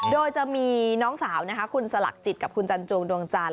โดยจะมีน้องสาวนะคะคุณสลักจิตกับคุณจันจวงดวงจันท